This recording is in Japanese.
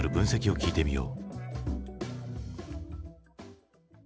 聞いてみよう。